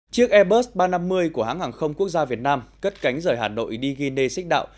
chiếc airbus ba trăm năm mươi của hãng hàng không quốc gia việt nam cất cánh rời hà nội đi guinea xích đạo